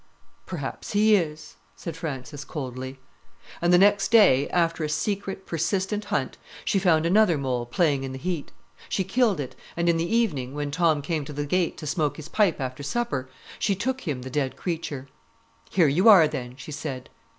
"Perhaps he is," said Frances coldly. And the next day, after a secret, persistent hunt, she found another mole playing in the heat. She killed it, and in the evening, when Tom came to the gate to smoke his pipe after supper, she took him the dead creature. "Here you are then!" she said.